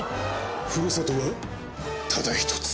ふるさとはただ１つ！